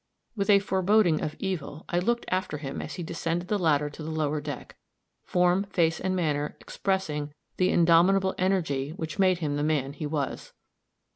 With a foreboding of evil I looked after him as he descended the ladder to the lower deck form, face and manner expressing the indomitable energy which made him the man he was.